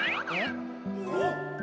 おっ。